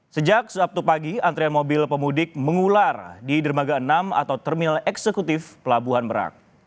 sejak sabtu pagi antrian mobil pemudik mengular di dermaga enam atau terminal eksekutif pelabuhan merak